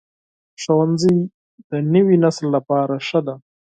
ښوونځی د نوي نسل لپاره مهم دی.